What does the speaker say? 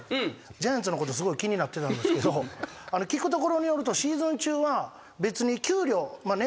ジャイアンツのことすごい気になってたんですけど聞くところによるとシーズン中は別に。